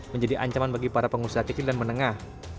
menjadi ancaman bagi para pengusaha kecil dan menengah